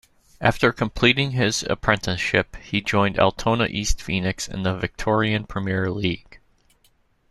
After completing his apprenticeship he joined Altona East Phoenix in the Victorian premier league.